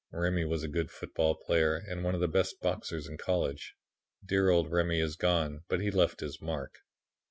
"Remy was a good football player and one of the best boxers in college. Dear Old Remy is gone, but he left his mark."